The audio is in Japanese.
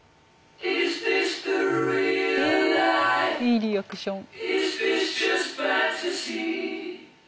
いいリアクション。